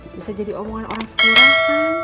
bisa jadi omongan orang sekurang kurang